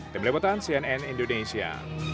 demi lebutan cnn indonesia